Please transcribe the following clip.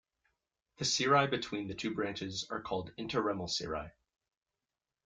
The cirri between the two branches are called interramal cirri.